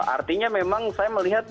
artinya memang saya melihat